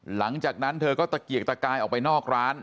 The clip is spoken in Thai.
หลังจากนั้นเธอก็ตะเกียกตะกายออกไปนอกร้าน